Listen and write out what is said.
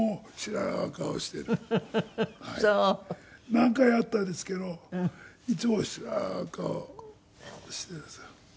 何回か会ったんですけどいつも知らん顔していますよ。